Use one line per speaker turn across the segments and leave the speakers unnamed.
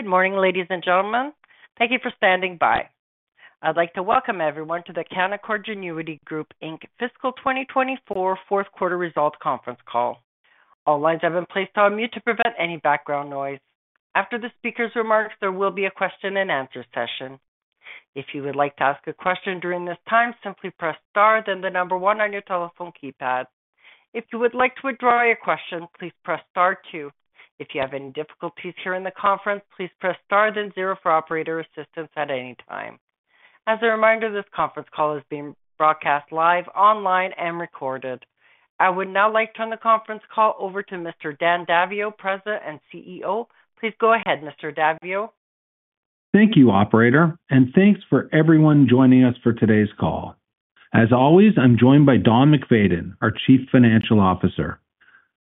Good morning, ladies and gentlemen. Thank you for standing by. I'd like to welcome everyone to the Canaccord Genuity Group Inc fiscal 2024 fourth quarter results conference call. All lines have been placed on mute to prevent any background noise. After the speaker's remarks, there will be a question-and-answer session. If you would like to ask a question during this time, simply press star, then the number one on your telephone keypad. If you would like to withdraw your question, please press star two. If you have any difficulties during the conference, please press star then zero for operator assistance at any time. As a reminder, this conference call is being broadcast live, online, and recorded. I would now like to turn the conference call over to Mr. Dan Daviau, President and CEO. Please go ahead, Mr. Daviau.
Thank you, operator, and thanks for everyone joining us for today's call. As always, I'm joined by Don MacFayden, our Chief Financial Officer.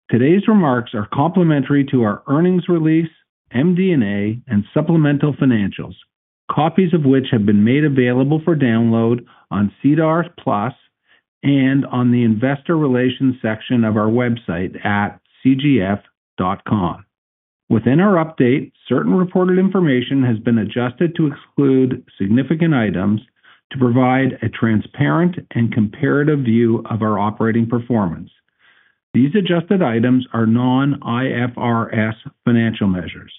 Today's remarks are complementary to our earnings release, MD&A, and supplemental financials, copies of which have been made available for download on SEDAR+ and on the Investor Relations section of our website at cgf.com. Within our update, certain reported information has been adjusted to exclude significant items to provide a transparent and comparative view of our operating performance. These adjusted items are non-IFRS financial measures.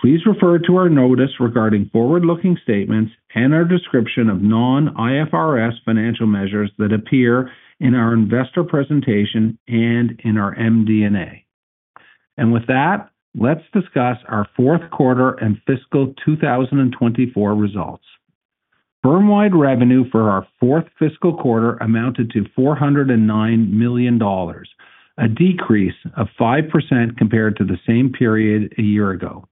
Please refer to our notice regarding forward-looking statements and our description of non-IFRS financial measures that appear in our investor presentation and in our MD&A. With that, let's discuss our fourth quarter and fiscal 2024 results. Firm-wide revenue for our fourth fiscal quarter amounted to 409 million dollars, a decrease of 5% compared to the same period a year ago.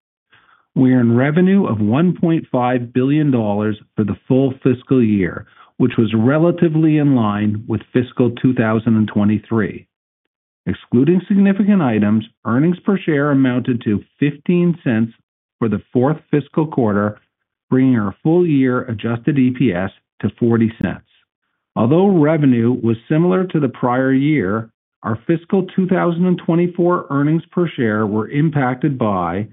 We earned revenue of 1.5 billion dollars for the full fiscal year, which was relatively in line with fiscal 2023. Excluding significant items, earnings per share amounted to 0.15 for the fourth fiscal quarter, bringing our full-year adjusted EPS to 0.40. Although revenue was similar to the prior year, our fiscal 2024 earnings per share were impacted by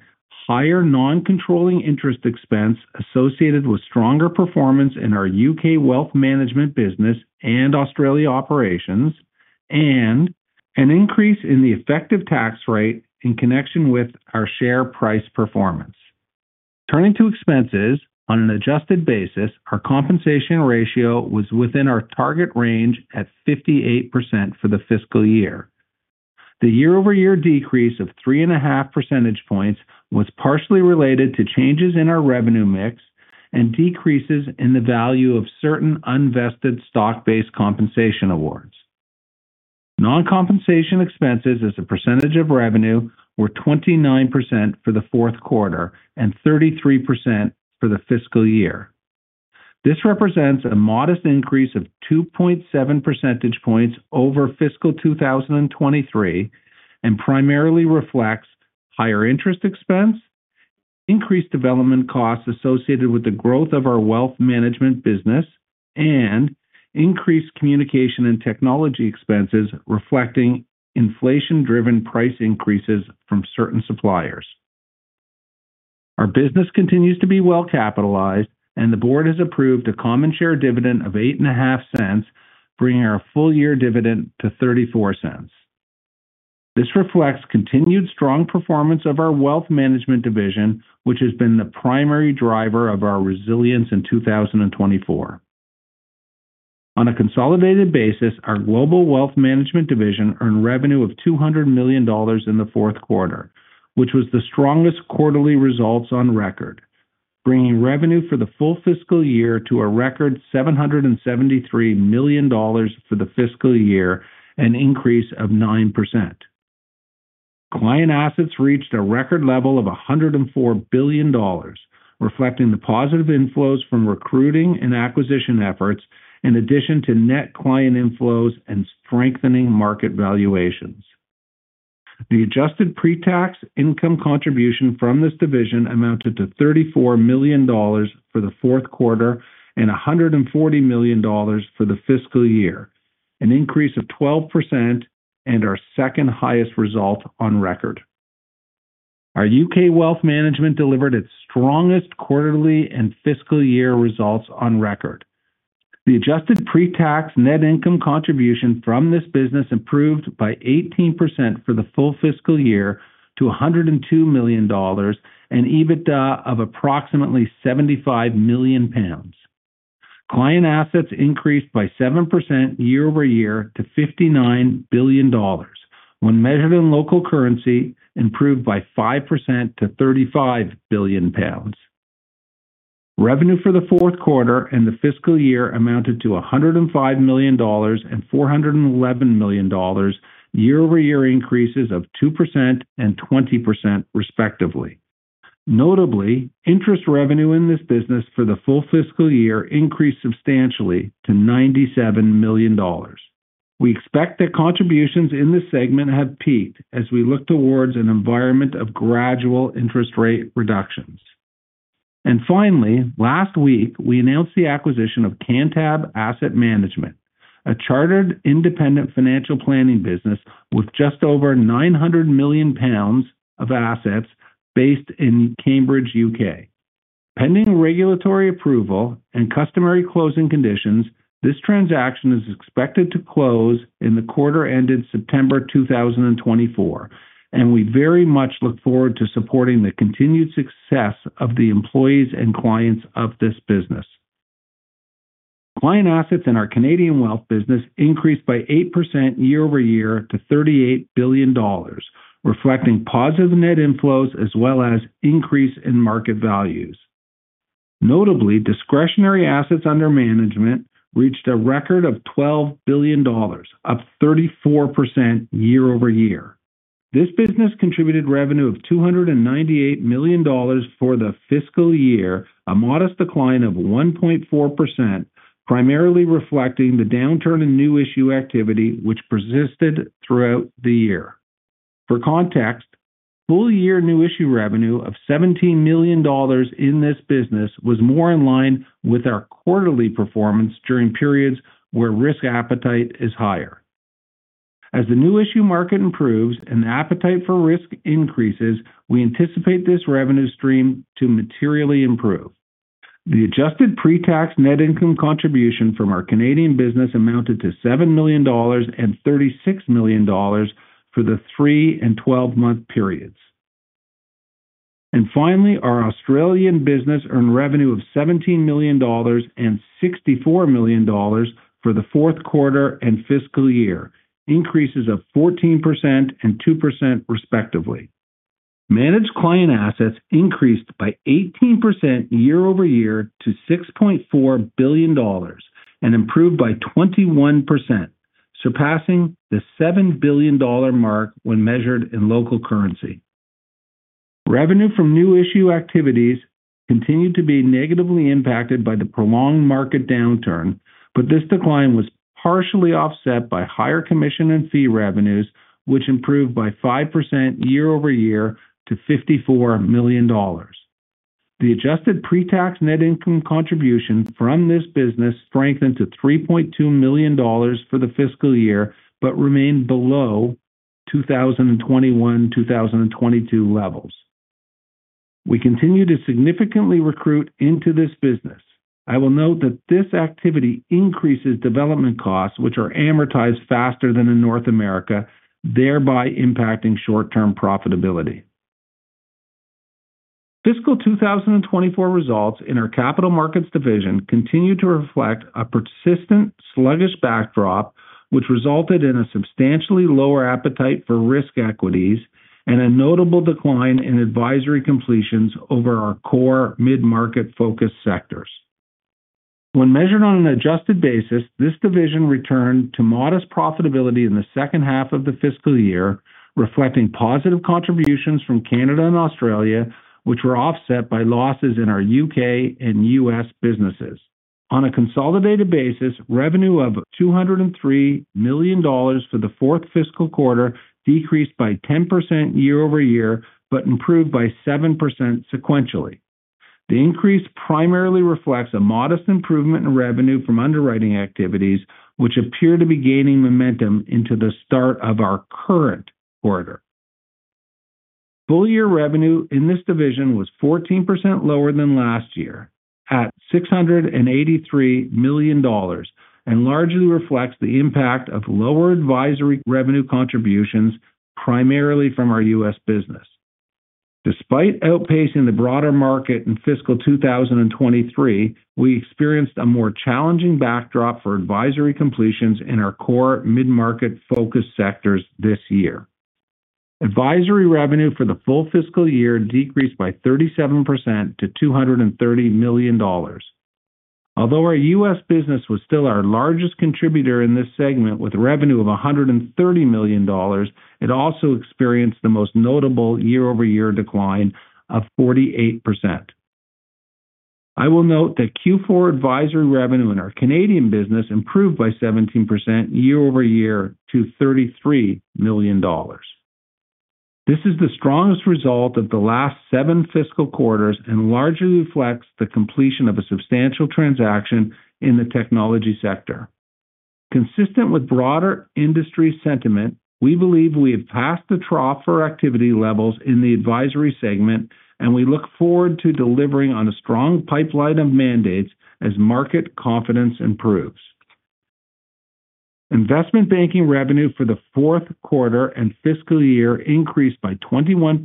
higher non-controlling interest expense associated with stronger performance in our U.K. Wealth Management business and Australia operations, and an increase in the effective tax rate in connection with our share price performance. Turning to expenses, on an adjusted basis, our compensation ratio was within our target range at 58% for the fiscal year. The year-over-year decrease of 3.5 percentage points was partially related to changes in our revenue mix and decreases in the value of certain unvested stock-based compensation awards. Non-compensation expenses as a percentage of revenue were 29% for the fourth quarter and 33% for the fiscal year. This represents a modest increase of 2.7 percentage points over fiscal 2023 and primarily reflects higher interest expense, increased development costs associated with the growth of our wealth management business, and increased communication and technology expenses, reflecting inflation-driven price increases from certain suppliers. Our business continues to be well-capitalized, and the board has approved a common share dividend of 0.085, bringing our full-year dividend to 0.34. This reflects continued strong performance of our wealth management division, which has been the primary driver of our resilience in 2024. On a consolidated basis, our Global Wealth Management division earned revenue of 200 million dollars in the fourth quarter, which was the strongest quarterly results on record, bringing revenue for the full fiscal year to a record 773 million dollars for the fiscal year, an increase of 9%. Client assets reached a record level of 104 billion dollars, reflecting the positive inflows from recruiting and acquisition efforts, in addition to net client inflows and strengthening market valuations. The adjusted pre-tax income contribution from this division amounted to 34 million dollars for the fourth quarter and 140 million dollars for the fiscal year, an increase of 12% and our second-highest result on record. Our U.K. Wealth Management delivered its strongest quarterly and fiscal year results on record. The adjusted pre-tax net income contribution from this business improved by 18% for the full fiscal year to 102 million dollars and EBITDA of approximately 75 million pounds. Client assets increased by 7% year-over-year to 59 billion dollars, when measured in local currency, improved by 5% to 35 billion pounds. Revenue for the fourth quarter and the fiscal year amounted to 105 million dollars and 411 million dollars, year-over-year increases of 2% and 20% respectively. Notably, interest revenue in this business for the full fiscal year increased substantially to 97 million dollars. We expect that contributions in this segment have peaked as we look towards an environment of gradual interest rate reduction. And finally, last week, we announced the acquisition of Cantab Asset Management, a chartered independent financial planning business with just over 900 million pounds of assets based in Cambridge, U.K. Pending regulatory approval and customary closing conditions, this transaction is expected to close in the quarter ending September 2024, and we very much look forward to supporting the continued success of the employees and clients of this business. Client assets in our Canadian wealth business increased by 8% year-over-year to 38 billion dollars, reflecting positive net inflows as well as increase in market values. Notably, discretionary assets under management reached a record of 12 billion dollars, up 34% year-over-year. This business contributed revenue of 298 million dollars for the fiscal year, a modest decline of 1.4%, primarily reflecting the downturn in new issue activity, which persisted throughout the year. For context, full-year new issue revenue of 17 million dollars in this business was more in line with our quarterly performance during periods where risk appetite is higher. As the new issue market improves and the appetite for risk increases, we anticipate this revenue stream to materially improve. The adjusted pre-tax net income contribution from our Canadian business amounted to 7 million dollars and 36 million dollars for the 3- and 12-month periods. And finally, our Australian business earned revenue of 17 million dollars and 64 million dollars for the fourth quarter and fiscal year, increases of 14% and 2% respectively. Managed client assets increased by 18% year-over-year to 6.4 billion dollars and improved by 21%, surpassing the 7 billion dollar mark when measured in local currency. Revenue from new issue activities continued to be negatively impacted by the prolonged market downturn, but this decline was partially offset by higher commission and fee revenues, which improved by 5% year-over-year to 54 million dollars. The Adjusted Pre-Tax Net Income contribution from this business strengthened to 3.2 million dollars for the fiscal year, but remained below 2021, 2022 levels. We continue to significantly recruit into this business. I will note that this activity increases development costs, which are amortized faster than in North America, thereby impacting short-term profitability. Fiscal 2024 results in our Capital Markets division continued to reflect a persistent, sluggish backdrop, which resulted in a substantially lower appetite for risk equities and a notable decline in advisory completions over our core mid-market focus sectors. When measured on an adjusted basis, this division returned to modest profitability in the second half of the fiscal year, reflecting positive contributions from Canada and Australia, which were offset by losses in our U.K. and U.S. businesses. On a consolidated basis, revenue of 203 million dollars for the fourth fiscal quarter decreased by 10% year-over-year, but improved by 7% sequentially. The increase primarily reflects a modest improvement in revenue from underwriting activities, which appear to be gaining momentum into the start of our current quarter. Full-year revenue in this division was 14% lower than last year, at 683 million dollars, and largely reflects the impact of lower advisory revenue contributions, primarily from our U.S. business. Despite outpacing the broader market in fiscal 2023, we experienced a more challenging backdrop for advisory completions in our core mid-market focus sectors this year. Advisory revenue for the full fiscal year decreased by 37% to 230 million dollars. Although our U.S. business was still our largest contributor in this segment, with revenue of 130 million dollars, it also experienced the most notable year-over-year decline of 48%. I will note that Q4 advisory revenue in our Canadian business improved by 17% year-over-year to 33 million dollars. This is the strongest result of the last seven fiscal quarters and largely reflects the completion of a substantial transaction in the technology sector. Consistent with broader industry sentiment, we believe we have passed the trough for activity levels in the advisory segment, and we look forward to delivering on a strong pipeline of mandates as market confidence improves. Investment banking revenue for the fourth quarter and fiscal year increased by 21%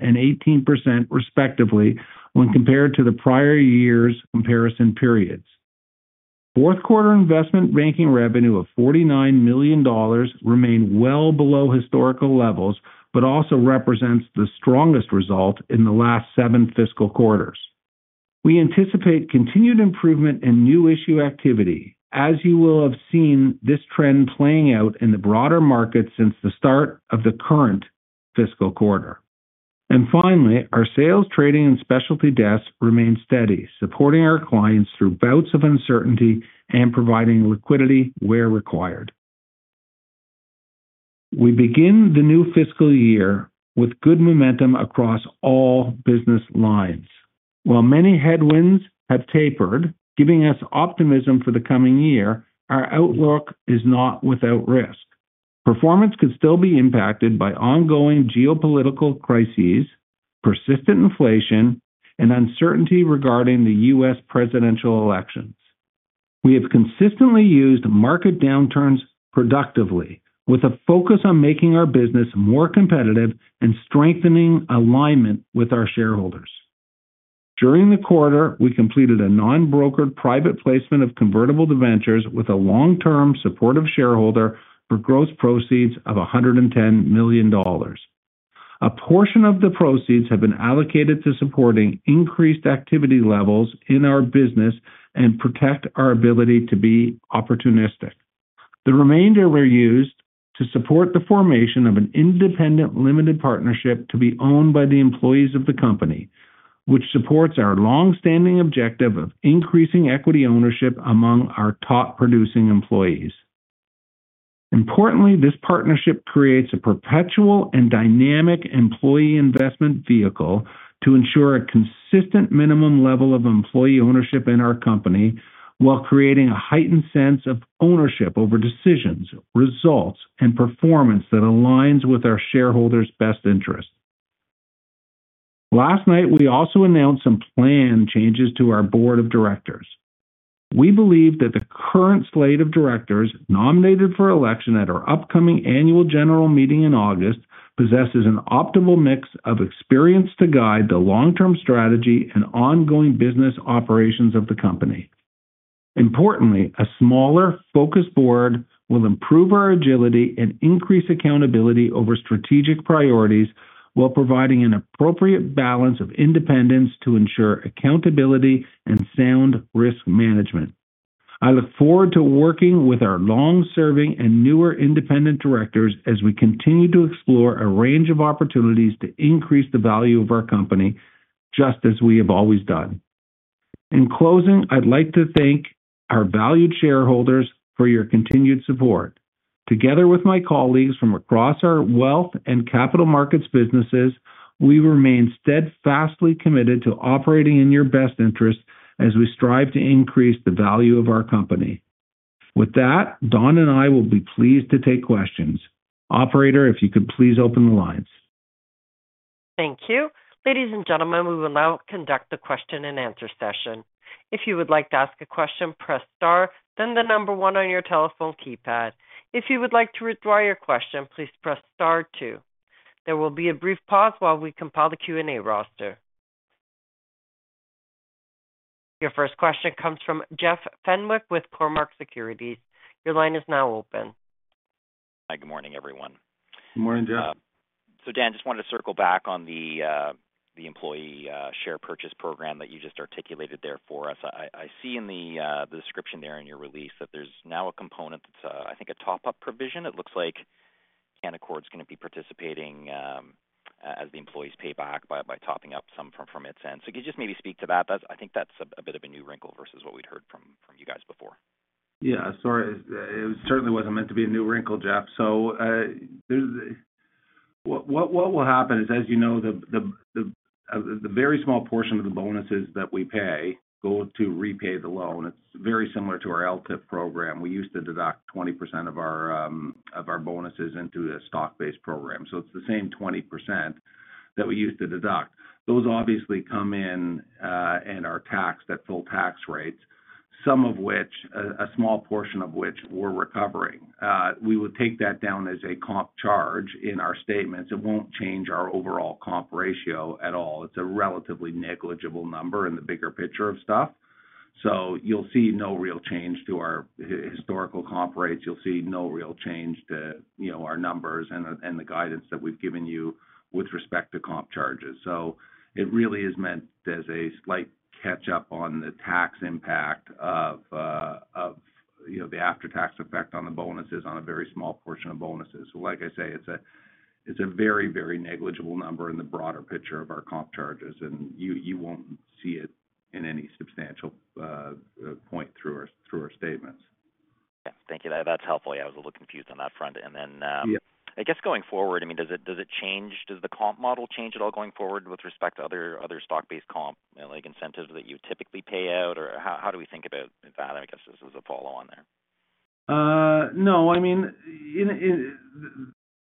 and 18% respectively when compared to the prior year's comparison periods. Fourth quarter investment banking revenue of 49 million dollars remained well below historical levels but also represents the strongest result in the last seven fiscal quarters. We anticipate continued improvement in new issue activity, as you will have seen this trend playing out in the broader market since the start of the current fiscal quarter. Finally, our sales, trading, and specialty desks remain steady, supporting our clients through bouts of uncertainty and providing liquidity where required. We begin the new fiscal year with good momentum across all business lines. While many headwinds have tapered, giving us optimism for the coming year, our outlook is not without risk. Performance could still be impacted by ongoing geopolitical crises, persistent inflation, and uncertainty regarding the U.S. presidential elections. We have consistently used market downturns productively, with a focus on making our business more competitive and strengthening alignment with our shareholders. During the quarter, we completed a non-brokered private placement of convertible debentures with a long-term supportive shareholder for gross proceeds of 110 million dollars. A portion of the proceeds have been allocated to supporting increased activity levels in our business and protect our ability to be opportunistic. The remainder were used to support the formation of an independent limited partnership to be owned by the employees of the company, which supports our long-standing objective of increasing equity ownership among our top-producing employees. Importantly, this partnership creates a perpetual and dynamic employee investment vehicle to ensure a consistent minimum level of employee ownership in our company, while creating a heightened sense of ownership over decisions, results, and performance that aligns with our shareholders' best interests. Last night, we also announced some planned changes to our board of directors. We believe that the current slate of directors, nominated for election at our upcoming annual general meeting in August, possesses an optimal mix of experience to guide the long-term strategy and ongoing business operations of the company. Importantly, a smaller focused board will improve our agility and increase accountability over strategic priorities, while providing an appropriate balance of independence to ensure accountability and sound risk management. I look forward to working with our long-serving and newer independent directors as we continue to explore a range of opportunities to increase the value of our company, just as we have always done. In closing, I'd like to thank our valued shareholders for your continued support. Together with my colleagues from across our wealth and capital markets businesses, we remain steadfastly committed to operating in your best interest as we strive to increase the value of our company. With that, Don and I will be pleased to take questions. Operator, if you could please open the lines.
Thank you. Ladies and gentlemen, we will now conduct the question-and-answer session. If you would like to ask a question, press star, then the number one on your telephone keypad. If you would like to withdraw your question, please press star two. There will be a brief pause while we compile the Q&A roster. Your first question comes from Jeff Fenwick with Cormark Securities. Your line is now open.
Hi, good morning, everyone.
Good morning, Jeff.
So Dan, just wanted to circle back on the employee share purchase program that you just articulated there for us. I see in the description there in your release that there's now a component that's, I think, a top-up provision. It looks like Canaccord is going to be participating, as the employees pay back by topping up some from its end. So could you just maybe speak to that? That's—I think that's a bit of a new wrinkle versus what we'd heard from you guys before.
Yeah, sorry. It certainly wasn't meant to be a new wrinkle, Jeff. So, what will happen is, as you know, the very small portion of the bonuses that we pay go to repay the loan. It's very similar to our LTIP program. We used to deduct 20% of our bonuses into the stock-based program. So it's the same 20% that we used to deduct. Those obviously come in and are taxed at full tax rates, some of which, a small portion of which we're recovering. We would take that down as a comp charge in our statements. It won't change our overall comp ratio at all. It's a relatively negligible number in the bigger picture of stuff. So you'll see no real change to our historical comp rates. You'll see no real change to, you know, our numbers and the, and the guidance that we've given you with respect to comp charges. So it really is meant as a slight catch-up on the tax impact of, of, you know, the after-tax effect on the bonuses, on a very small portion of bonuses. So like I say, it's a, it's a very, very negligible number in the broader picture of our comp charges, and you, you won't see it in any substantial, point through our, through our statements.
Thank you. That, that's helpful. Yeah, I was a little confused on that front. And then,
Yeah.
I guess, going forward, I mean, does it, does it change? Does the comp model change at all going forward with respect to other, other stock-based comp, like incentives that you typically pay out, or how, how do we think about that? I guess this was a follow on there.
No, I mean,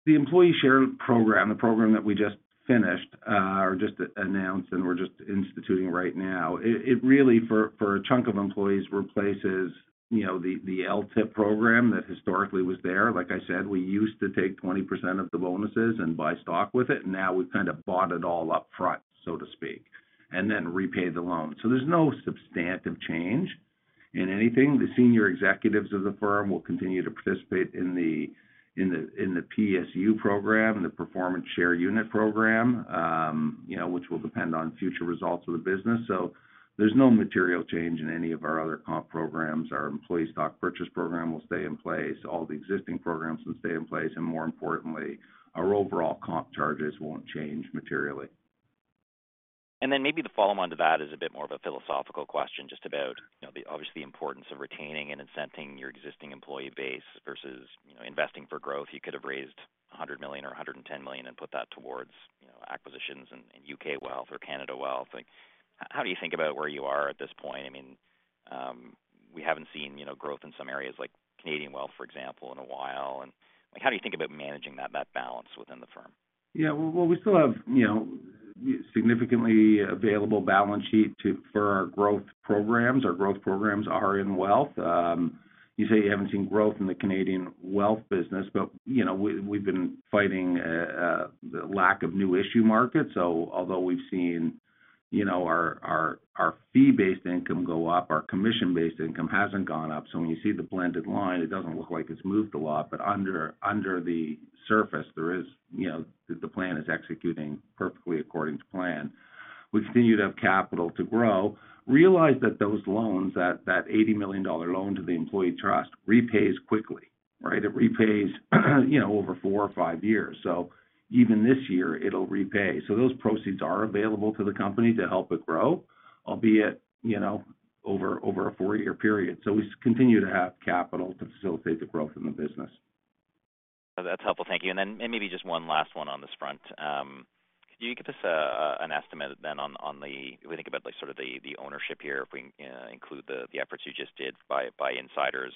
the employee share program, the program that we just finished, or just announced and we're just instituting right now, it really, for a chunk of employees, replaces, you know, the LTIP program that historically was there. Like I said, we used to take 20% of the bonuses and buy stock with it, and now we've kind of bought it all upfront, so to speak, and then repaid the loan. So there's no substantive change in anything. The senior executives of the firm will continue to participate in the PSU program, in the Performance Share Unit program, you know, which will depend on future results of the business. So there's no material change in any of our other comp programs. Our employee stock purchase program will stay in place. All the existing programs will stay in place, and more importantly, our overall comp charges won't change materially.
Then maybe the follow-on to that is a bit more of a philosophical question, just about, you know, the obviously importance of retaining and incenting your existing employee base versus, you know, investing for growth. You could have raised 100 million or 110 million and put that towards, you know, acquisitions in, in U.K. wealth or Canada wealth. Like, how do you think about where you are at this point? I mean, we haven't seen, you know, growth in some areas like Canadian wealth, for example, in a while. And how do you think about managing that, that balance within the firm?
Yeah, well, we still have, you know, significantly available balance sheet to for our growth programs. Our growth programs are in wealth. You say you haven't seen growth in the Canadian wealth business, but, you know, we, we've been fighting the lack of new issue markets. So although we've seen, you know, our fee-based income go up, our commission-based income hasn't gone up. So when you see the blended line, it doesn't look like it's moved a lot, but under the surface, there is, you know, the plan is executing perfectly according to plan. We continue to have capital to grow. Realize that those loans, that 80 million dollar loan to the employee trust, repays quickly, right? It repays, you know, over four or five years. So even this year, it'll repay. So those proceeds are available to the company to help it grow, albeit, you know, over a four-year period. So we continue to have capital to facilitate the growth in the business.
That's helpful. Thank you. And then, and maybe just one last one on this front. Could you give us an estimate then on the... If we think about like, sort of the ownership here, if we include the efforts you just did by insiders,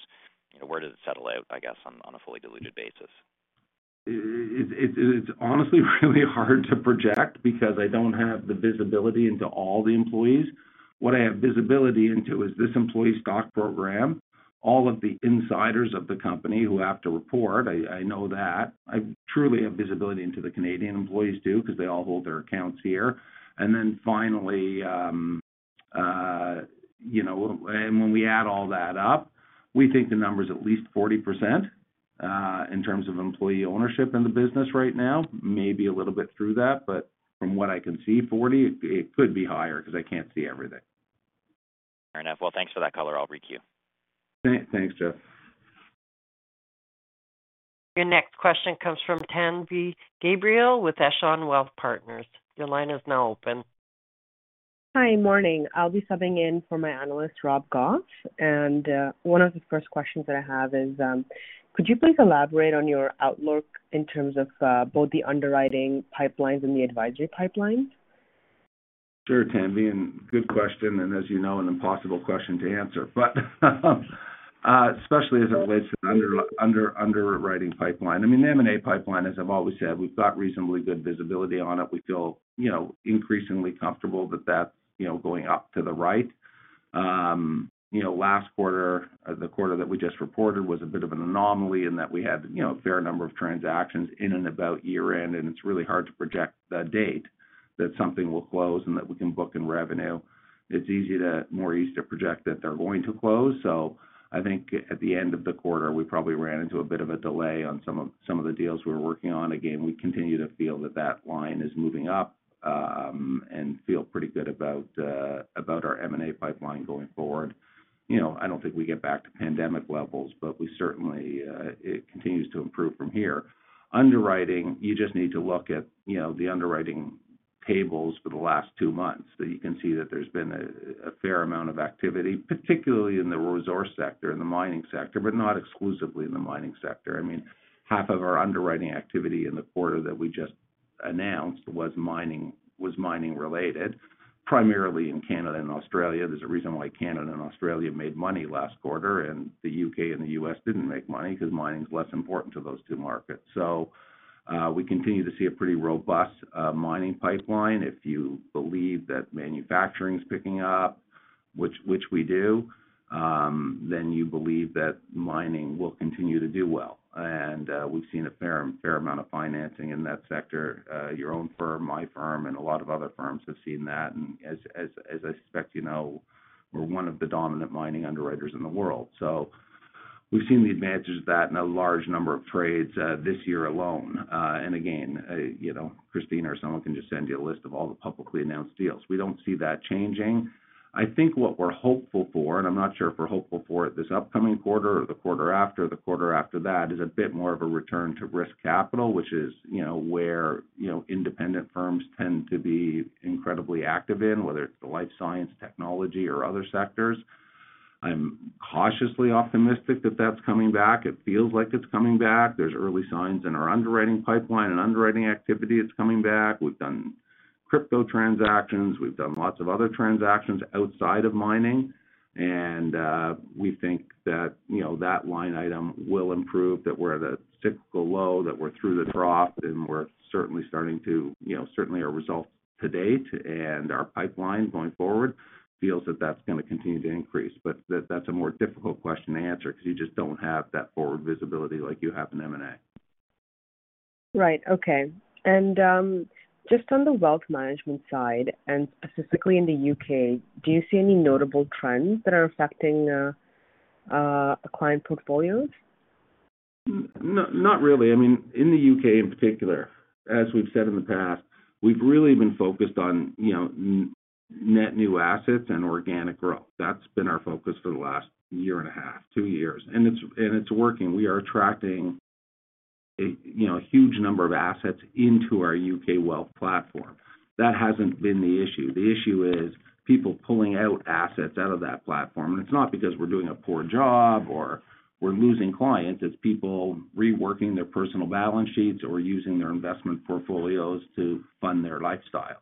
where does it settle out, I guess, on a fully diluted basis?
It's honestly really hard to project because I don't have the visibility into all the employees. What I have visibility into is this employee stock program, all of the insiders of the company who have to report, I know that. I truly have visibility into the Canadian employees, too, because they all hold their accounts here. And then finally, you know, and when we add all that up, we think the number is at least 40%, in terms of employee ownership in the business right now, maybe a little bit through that, but from what I can see, 40, it could be higher because I can't see everything.
Fair enough. Well, thanks for that color. I'll requeue.
Thanks, Jeff.
Your next question comes from Tanvi Gabriel, with Echelon Wealth Partners. Your line is now open.
Hi, morning. I'll be subbing in for my analyst, Rob Goff. One of the first questions that I have is, could you please elaborate on your outlook in terms of both the underwriting pipelines and the advisory pipelines?
Sure, Tanvi, and good question, and as you know, an impossible question to answer. But, especially as it relates to the underwriting pipeline. I mean, M&A pipeline, as I've always said, we've got reasonably good visibility on it. We feel, you know, increasingly comfortable that that's, you know, going up to the right. You know, last quarter, the quarter that we just reported, was a bit of an anomaly in that we had, you know, a fair number of transactions in and about year-end, and it's really hard to project the date that something will close and that we can book in revenue. It's easy to more easy to project that they're going to close. So I think at the end of the quarter, we probably ran into a bit of a delay on some of the deals we were working on. Again, we continue to feel that that line is moving up, and feel pretty good about about our M&A pipeline going forward. You know, I don't think we get back to pandemic levels, but we certainly it continues to improve from here. Underwriting, you just need to look at, you know, the underwriting tables for the last two months, that you can see that there's been a fair amount of activity, particularly in the resource sector, in the mining sector, but not exclusively in the mining sector. I mean, half of our underwriting activity in the quarter that we just announced was mining, was mining-related, primarily in Canada and Australia. There's a reason why Canada and Australia made money last quarter, and the U.K. and the U.S. didn't make money, because mining is less important to those two markets. So, we continue to see a pretty robust mining pipeline. If you believe that manufacturing is picking up, which we do, then you believe that mining will continue to do well. And we've seen a fair amount of financing in that sector. Your own firm, my firm, and a lot of other firms have seen that. And as I suspect, you know, we're one of the dominant mining underwriters in the world. So we've seen the advantages of that in a large number of trades this year alone. And again, you know, Christine or someone can just send you a list of all the publicly announced deals. We don't see that changing. I think what we're hopeful for, and I'm not sure if we're hopeful for it this upcoming quarter or the quarter after, or the quarter after that, is a bit more of a return to risk capital, which is, you know, where, you know, independent firms tend to be incredibly active in, whether it's the life science, technology, or other sectors. I'm cautiously optimistic that that's coming back. It feels like it's coming back. There's early signs in our underwriting pipeline and underwriting activity, it's coming back. We've done crypto transactions, we've done lots of other transactions outside of mining, and we think that, you know, that line item will improve, that we're at a cyclical low, that we're through the trough, and we're certainly starting to, you know, certainly our results to date and our pipeline going forward, feels that that's going to continue to increase. But that's a more difficult question to answer because you just don't have that forward visibility like you have in M&A.
Right. Okay. And, just on the wealth management side, and specifically in the U.K., do you see any notable trends that are affecting client portfolios?
Not really. I mean, in the U.K. in particular, as we've said in the past, we've really been focused on, you know, net new assets and organic growth. That's been our focus for the last year and a half, two years, and it's, and it's working. We are attracting you know, a huge number of assets into our U.K. wealth platform. That hasn't been the issue. The issue is people pulling out assets out of that platform, and it's not because we're doing a poor job or we're losing clients. It's people reworking their personal balance sheets or using their investment portfolios to fund their lifestyle.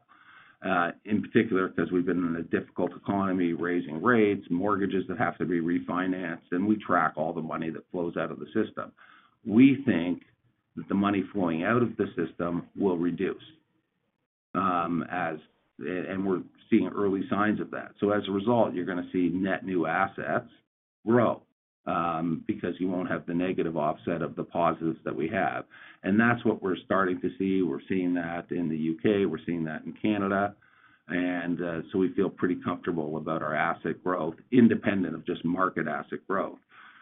In particular, because we've been in a difficult economy, raising rates, mortgages that have to be refinanced, and we track all the money that flows out of the system. We think that the money flowing out of the system will reduce as and we're seeing early signs of that. So as a result, you're going to see net new assets grow because you won't have the negative offset of the positives that we have. And that's what we're starting to see. We're seeing that in the U.K., we're seeing that in Canada, and so we feel pretty comfortable about our asset growth, independent of just market asset growth.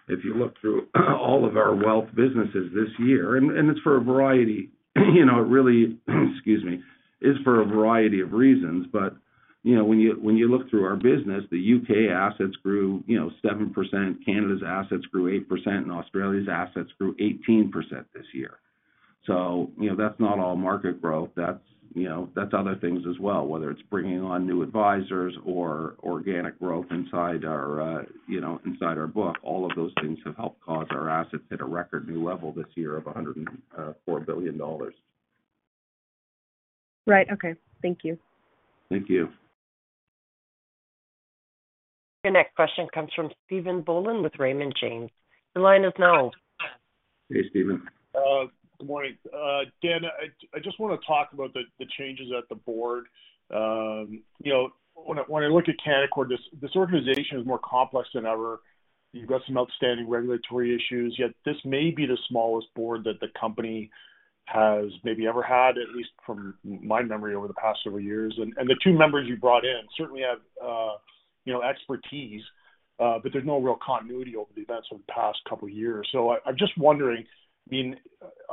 If you look through all of our wealth businesses this year, and and it's for a variety, you know, it really, excuse me, is for a variety of reasons. But, you know, when you, when you look through our business, the U.K. assets grew, you know, 7%, Canada's assets grew 8%, and Australia's assets grew 18% this year. So, you know, that's not all market growth, that's, you know, that's other things as well, whether it's bringing on new advisors or organic growth inside our, you know, inside our book. All of those things have helped cause our assets hit a record new level this year of 104 billion dollars.
Right. Okay. Thank you.
Thank you.
Your next question comes from Stephen Boland with Raymond James. The line is now open.
Hey, Stephen.
Good morning. Dan, I just want to talk about the changes at the board. You know, when I look at Canaccord, this organization is more complex than ever. You've got some outstanding regulatory issues, yet this may be the smallest board that the company has maybe ever had, at least from my memory, over the past several years. And the two members you brought in certainly have, you know, expertise, but there's no real continuity over the events over the past couple of years. So I'm just wondering, I mean,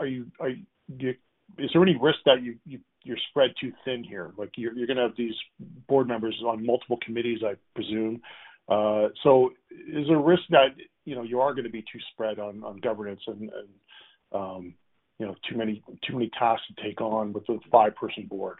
is there any risk that you're spread too thin here? Like, you're going to have these board members on multiple committees, I presume. So, is there a risk that, you know, you are going to be too spread on governance and, you know, too many tasks to take on with a five-person board?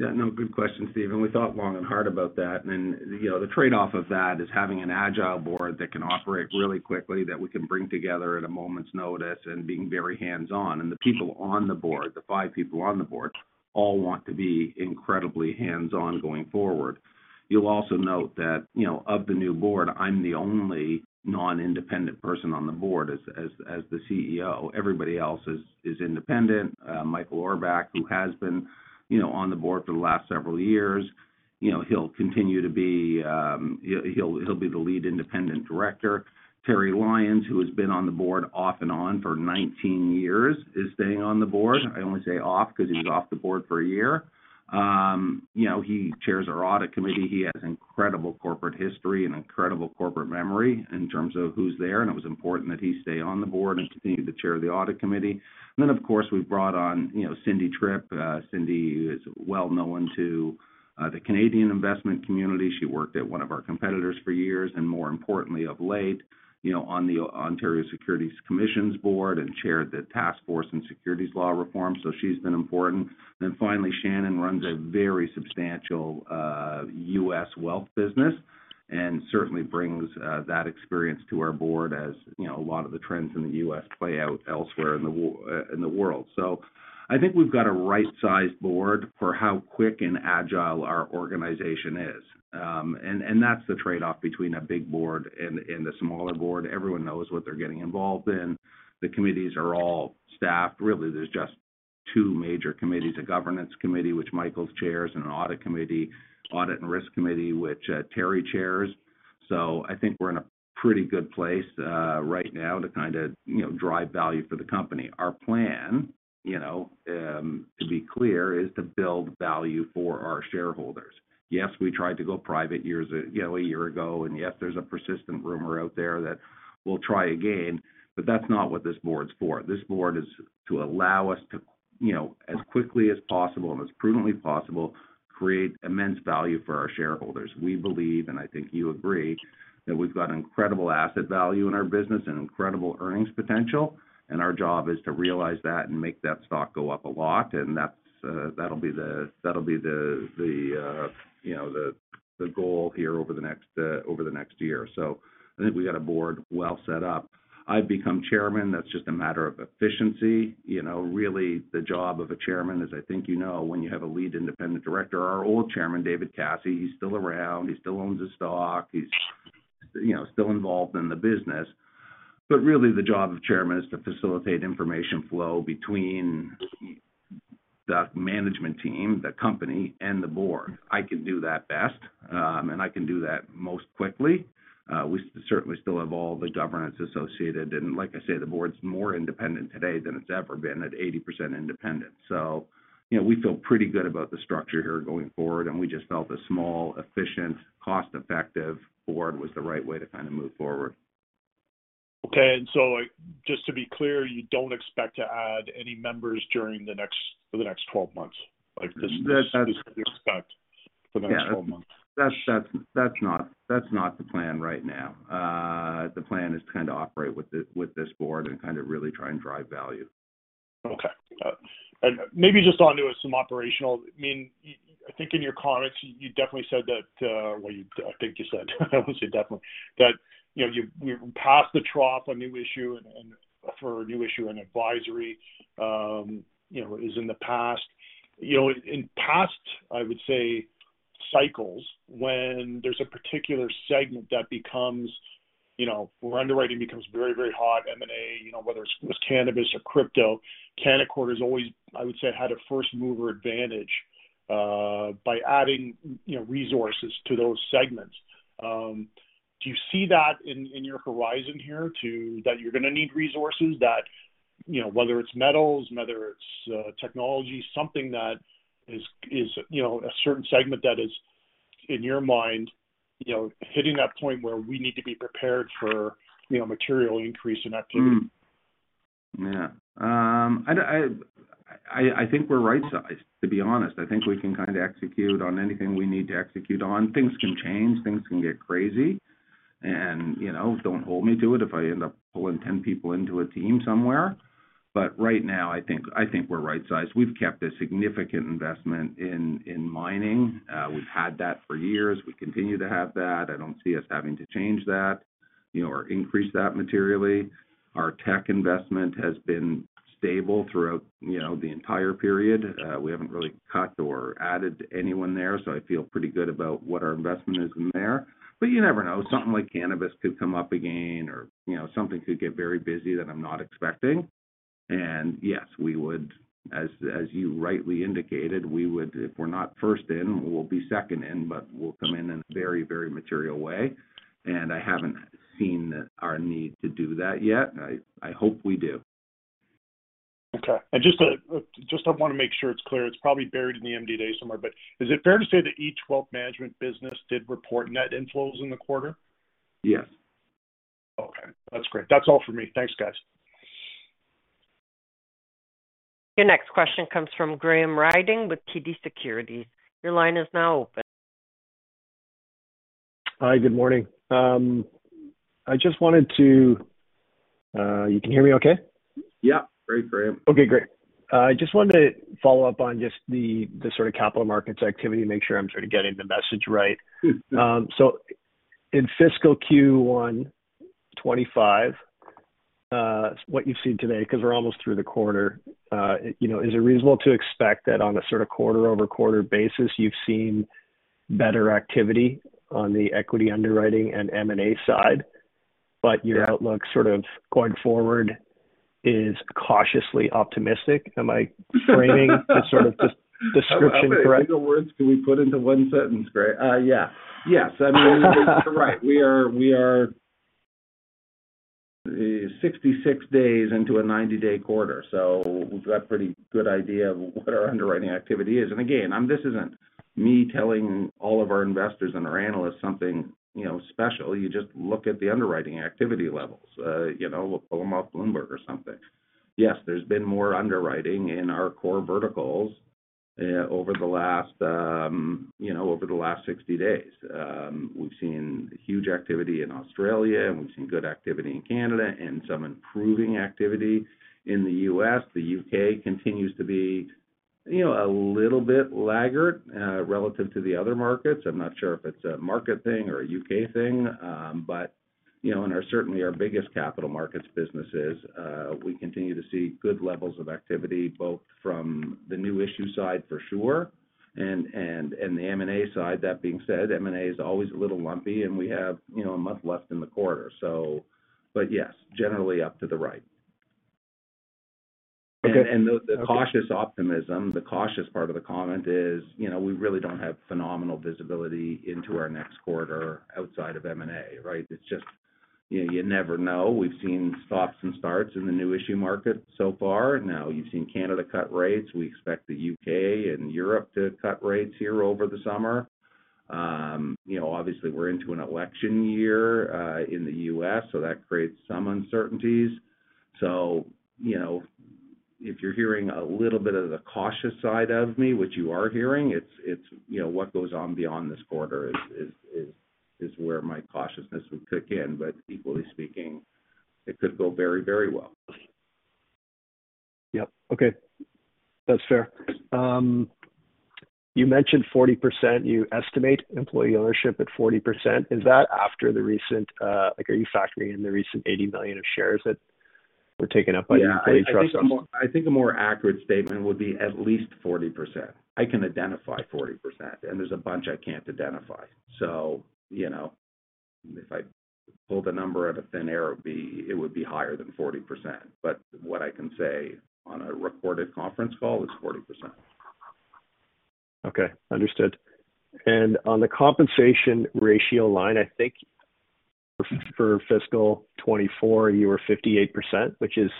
Yeah, no, good question, Stephen. We thought long and hard about that. And, you know, the trade-off of that is having an agile board that can operate really quickly, that we can bring together at a moment's notice and being very hands-on. And the people on the board, the five people on the board, all want to be incredibly hands-on going forward. You'll also note that, you know, of the new board, I'm the only non-independent person on the board as the CEO. Everybody else is independent. Michael Auerbach, who has been, you know, on the board for the last several years, you know, he'll continue to be. He'll be the lead independent director. Terry Lyons, who has been on the board off and on for 19 years, is staying on the board. I only say off because he was off the board for a year. You know, he chairs our audit committee. He has incredible corporate history and incredible corporate memory in terms of who's there, and it was important that he stay on the board and continue to chair the audit committee. Then, of course, we brought on, you know, Cindy Tripp. Cindy is well known to the Canadian investment community. She worked at one of our competitors for years, and more importantly, of late, you know, on the Ontario Securities Commission's board and chaired the Task Force on Securities Law Reform. So she's been important. Then finally, Shannon runs a very substantial U.S. wealth business and certainly brings that experience to our board as, you know, a lot of the trends in the U.S. play out elsewhere in the world. So I think we've got a right-sized board for how quick and agile our organization is. And that's the trade-off between a big board and a smaller board. Everyone knows what they're getting involved in. The committees are all staffed. Really, there's just two major committees, a governance committee, which Michael chairs, and an audit committee, audit and risk committee, which Terry chairs. So I think we're in a pretty good place right now to kind of, you know, drive value for the company. Our plan, you know, to be clear, is to build value for our shareholders. Yes, we tried to go private years, you know, a year ago, and yes, there's a persistent rumor out there that we'll try again, but that's not what this board's for. This board is to allow us to, you know, as quickly as possible and as prudently possible, create immense value for our shareholders. We believe, and I think you agree, that we've got an incredible asset value in our business and incredible earnings potential, and our job is to realize that and make that stock go up a lot. And that's, that'll be the goal here over the next year. So I think we've got a board well set up. I've become chairman. That's just a matter of efficiency. You know, really, the job of a chairman, as I think you know, when you have a lead independent director, our old chairman, David Kassie, he's still around, he still owns the stock, he's, you know, still involved in the business. But really, the job of chairman is to facilitate information flow between the management team, the company, and the board. I can do that best, and I can do that most quickly. We certainly still have all the governance associated, and like I say, the board's more independent today than it's ever been at 80% independent. So, you know, we feel pretty good about the structure here going forward, and we just felt a small, efficient, cost-effective board was the right way to kind of move forward.
Okay. And so just to be clear, you don't expect to add any members for the next 12 months? Like, this is what we expect for the next 12 months?
That's, that's, that's not, that's not the plan right now. The plan is to kind of operate with this, with this board and kind of really try and drive value.
Okay. And maybe just onto some operational. I mean, I think in your comments, you definitely said that, well, I think you said, I wouldn't say definitely, that, you know, you've passed the trough on new issue and, and for a new issue, and advisory, you know, is in the past. You know, in, in past, I would say, cycles, when there's a particular segment that becomes, you know, where underwriting becomes very, very hot, M&A, you know, whether it's cannabis or crypto, Canaccord has always, I would say, had a first-mover advantage, by adding, you know, resources to those segments. Do you see that in your horizon here, too, that you're gonna need resources that, you know, whether it's metals, whether it's technology, something that is, you know, a certain segment that is, in your mind, you know, hitting that point where we need to be prepared for, you know, material increase in activity?
Hmm. Yeah. I think we're right-sized, to be honest. I think we can kind of execute on anything we need to execute on. Things can change, things can get crazy, and, you know, don't hold me to it if I end up pulling 10 people into a team somewhere. But right now, I think we're right-sized. We've kept a significant investment in mining. We've had that for years. We continue to have that. I don't see us having to change that, you know, or increase that materially. Our tech investment has been stable throughout, you know, the entire period. We haven't really cut or added anyone there, so I feel pretty good about what our investment is in there. But you never know, something like cannabis could come up again or, you know, something could get very busy that I'm not expecting. And yes, we would, as, as you rightly indicated, we would if we're not first in, we'll be second in, but we'll come in in a very, very material way. And I haven't seen our need to do that yet. I, I hope we do.
Okay. And just to, just I want to make sure it's clear, it's probably buried in the MD&A somewhere, but is it fair to say that each wealth management business did report net inflows in the quarter?
Yes.
Okay, that's great. That's all for me. Thanks, guys.
Your next question comes from Graham Ryding with TD Securities. Your line is now open.
Hi, good morning. I just wanted to... You can hear me okay?
Yeah. Great, Graham.
Okay, great. I just wanted to follow up on just the sort of capital markets activity, make sure I'm sort of getting the message right.
Sure.
So in fiscal Q1 2025, what you've seen today, because we're almost through the quarter, you know, is it reasonable to expect that on a sort of quarter-over-quarter basis, you've seen better activity on the equity underwriting and M&A side, but your outlook sort of going forward is cautiously optimistic? Am I framing the sort of description correct?
How many words can we put into one sentence, Graham? Yeah. Yes, I mean, you're right. We are, we are 66 days into a 90-day quarter, so we've got a pretty good idea of what our underwriting activity is. And again, I'm, this isn't me telling all of our investors and our analysts something, you know, special. You just look at the underwriting activity levels, you know, pull them off Bloomberg or something. Yes, there's been more underwriting in our core verticals, over the last, you know, over the last 60 days. We've seen huge activity in Australia, and we've seen good activity in Canada and some improving activity in the U.S. The U.K. continues to be, you know, a little bit laggard, relative to the other markets. I'm not sure if it's a market thing or a U.K. thing, but, you know, and certainly our biggest capital markets businesses, we continue to see good levels of activity, both from the new issue side, for sure, and the M&A side. That being said, M&A is always a little lumpy, and we have, you know, a month left in the quarter, so... But yes, generally up to the right.
Okay.
The cautious optimism, the cautious part of the comment is, you know, we really don't have phenomenal visibility into our next quarter outside of M&A, right? It's just, you know, you never know. We've seen stops and starts in the new issue market so far. Now, you've seen Canada cut rates. We expect the U.K. and Europe to cut rates here over the summer. You know, obviously, we're into an election year in the U.S., so that creates some uncertainties. So, you know, if you're hearing a little bit of the cautious side of me, which you are hearing, it's, it's, you know, what goes on beyond this quarter is, is, is, is where my cautiousness would kick in, but equally speaking, it could go very, very well.
Yep. Okay. That's fair. You mentioned 40%. You estimate employee ownership at 40%. Is that after the recent, are you factoring in the recent 80 million of shares that were taken up by the employee trust?
Yeah, I think a more, I think a more accurate statement would be at least 40%. I can identify 40%, and there's a bunch I can't identify. So, you know, if I pulled a number out of thin air, it would be, it would be higher than 40%. But what I can say on a recorded conference call is 40%.
Okay, understood. On the compensation ratio line, I think for fiscal 2024, you were 58%, which is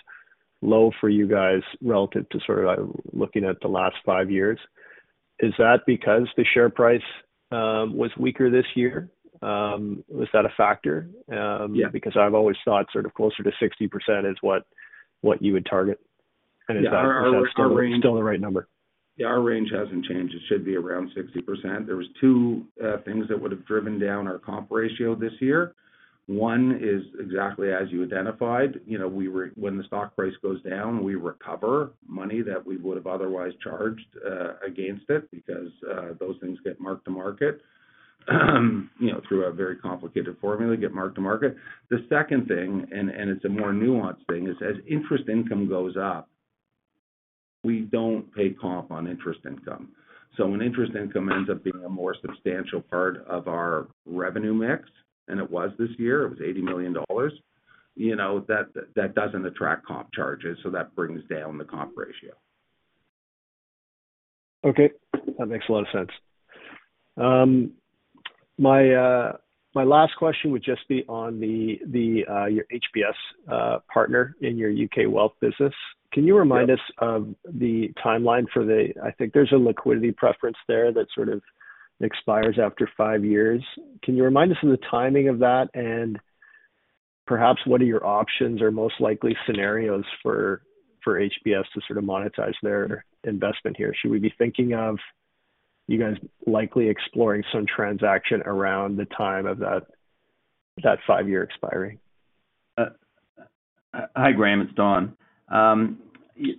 low for you guys relative to sort of looking at the last five years. Is that because the share price was weaker this year? Was that a factor?
Yeah.
Because I've always thought sort of closer to 60% is what you would target. And is that still the right number?
Yeah, our range hasn't changed. It should be around 60%. There was two things that would have driven down our comp ratio this year. One is exactly as you identified. You know, we were—when the stock price goes down, we recover money that we would have otherwise charged against it, because those things get mark to market. You know, through a very complicated formula, get mark to market. The second thing, and it's a more nuanced thing, is as interest income goes up, we don't pay comp on interest income. So when interest income ends up being a more substantial part of our revenue mix, and it was this year, it was 80 million dollars, you know, that doesn't attract comp charges, so that brings down the comp ratio.
Okay, that makes a lot of sense. My last question would just be on your HPS partner in your U.K. wealth business. Can you remind us of the timeline for the... I think there's a liquidity preference there that sort of expires after five years. Can you remind us of the timing of that? And perhaps, what are your options or most likely scenarios for HPS to sort of monetize their investment here? Should we be thinking of you guys likely exploring some transaction around the time of that five-year expiry?
Hi, Graham, it's Don. That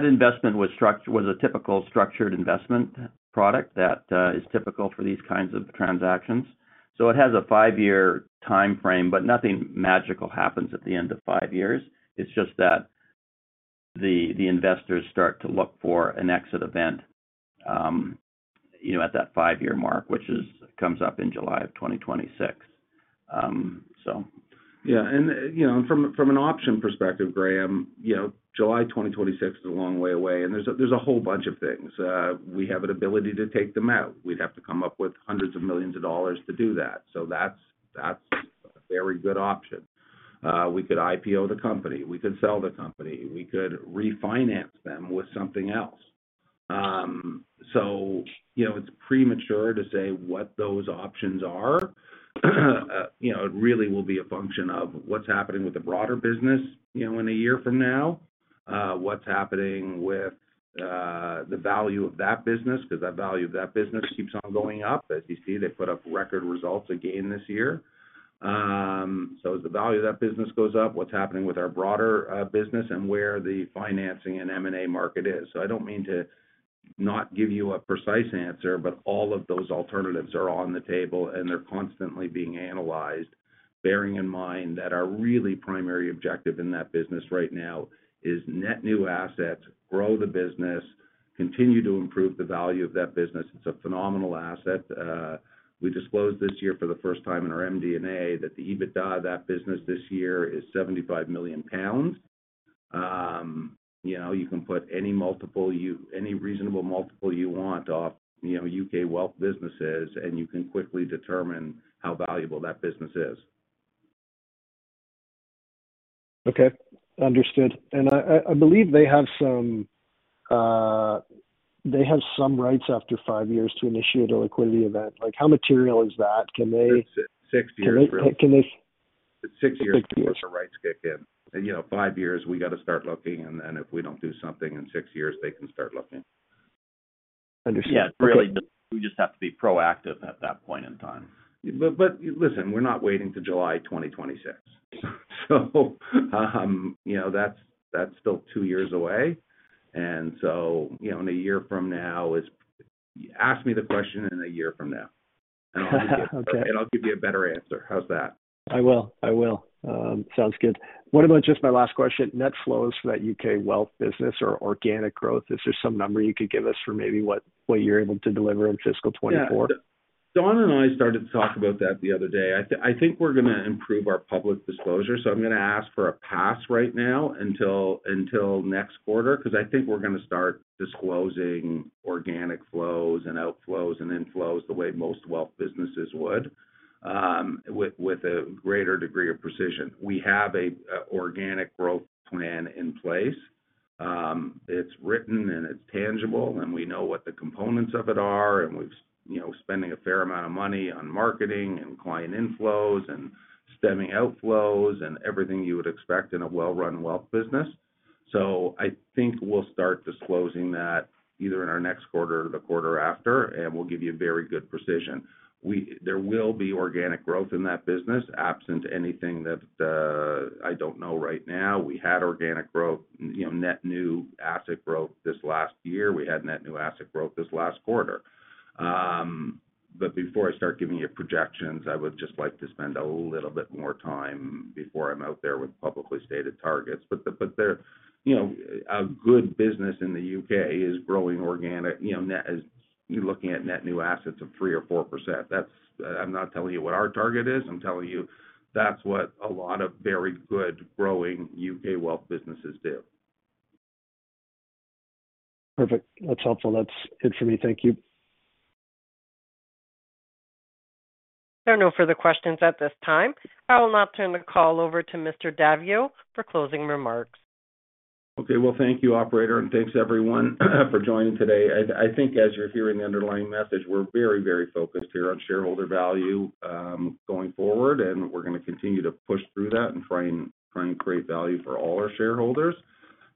investment was a typical structured investment product that is typical for these kinds of transactions. So it has a five-year timeframe, but nothing magical happens at the end of five years. It's just that the investors start to look for an exit event, you know, at that five-year mark, which comes up in July 2026. So.
Yeah, and, you know, from an option perspective, Graham, you know, July 2026 is a long way away, and there's a whole bunch of things. We have an ability to take them out. We'd have to come up with hundreds of millions of dollars to do that. So that's a very good option. We could IPO the company, we could sell the company, we could refinance them with something else. So, you know, it's premature to say what those options are. You know, it really will be a function of what's happening with the broader business, you know, in a year from now. What's happening with the value of that business, because that value of that business keeps on going up. As you see, they put up record results again this year. So as the value of that business goes up, what's happening with our broader business and where the financing and M&A market is. So I don't mean to not give you a precise answer, but all of those alternatives are on the table, and they're constantly being analyzed. Bearing in mind that our really primary objective in that business right now is net new assets, grow the business, continue to improve the value of that business. It's a phenomenal asset. We disclosed this year for the first time in our MD&A, that the EBITDA of that business this year is 75 million pounds. You know, you can put any multiple you... any reasonable multiple you want off, you know, U.K. wealth businesses, and you can quickly determine how valuable that business is.
Okay, understood. And I believe they have some rights after five years to initiate a liquidity event. Like, how material is that? Can they-
Six years.
Can they-
Six years before their rights kick in. And, you know, five years, we got to start looking, and if we don't do something in six years, they can start looking.
Understood.
Yeah, really, we just have to be proactive at that point in time.
But, listen, we're not waiting till July 2026. So, you know, that's still two years away. And so, you know, in a year from now is... Ask me the question in a year from now.
Okay.
I'll give you a better answer. How's that?
I will. I will. Sounds good. What about just my last question, net flows for that U.K. wealth business or organic growth? Is there some number you could give us for maybe what you're able to deliver in fiscal 2024?
Yeah. Don and I started to talk about that the other day. I think we're going to improve our public disclosure, so I'm going to ask for a pass right now until until next quarter, because I think we're going to start disclosing organic flows and outflows and inflows the way most wealth businesses would with with a greater degree of precision. We have a organic growth plan in place. It's written, and it's tangible, and we know what the components of it are, and we've you know spending a fair amount of money on marketing and client inflows and stemming outflows and everything you would expect in a well-run wealth business. So I think we'll start disclosing that either in our next quarter or the quarter after, and we'll give you a very good precision. There will be organic growth in that business, absent anything that I don't know right now. We had organic growth, you know, net new asset growth this last year. We had net new asset growth this last quarter. But before I start giving you projections, I would just like to spend a little bit more time before I'm out there with publicly stated targets. But the, you know, a good business in the U.K. is growing organic, you know, net as you're looking at net new assets of 3%-4%. That's. I'm not telling you what our target is. I'm telling you that's what a lot of very good growing U.K. wealth businesses do.
Perfect. That's helpful. That's it for me. Thank you.
There are no further questions at this time. I will now turn the call over to Mr. Daviau for closing remarks.
Okay, well, thank you, operator, and thanks everyone for joining today. I think as you're hearing the underlying message, we're very, very focused here on shareholder value going forward, and we're gonna continue to push through that and try and create value for all our shareholders.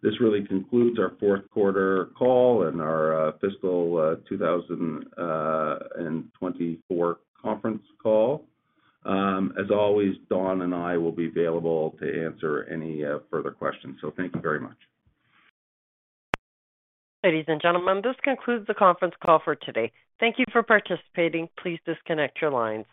This really concludes our fourth quarter call and our fiscal 2024 conference call. As always, Don and I will be available to answer any further questions. So thank you very much.
Ladies and gentlemen, this concludes the conference call for today. Thank you for participating. Please disconnect your lines.